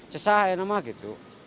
sesah ya nama gitu